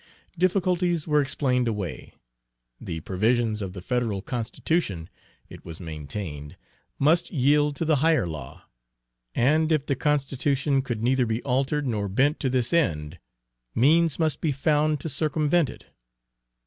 Difficulties were explained away. The provisions of the Federal Constitution, it was maintained, must yield to the "higher law," and if the Constitution could neither be altered nor bent to this end, means must be found to circumvent it.